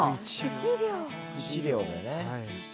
１両でね。